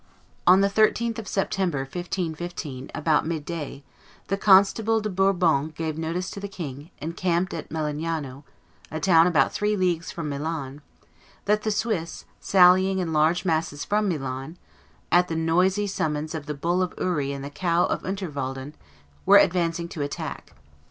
On the 13th of September, 1515, about midday, the Constable de Bourbon gave notice to the king, encamped at Melegnano (a town about three leagues from Milan), that the Swiss, sallying in large masses from Milan, at the noisy summons of the bull of Uri and the cow of Unterwalden, were advancing to attack.